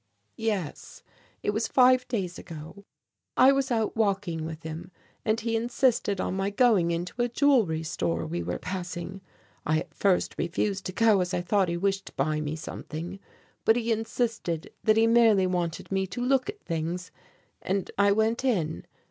"Yes, it was five days ago. I was out walking with him and he insisted on my going into a jewellery store we were passing. I at first refused to go as I thought he wished to buy me something. But he insisted that he merely wanted me to look at things and I went in.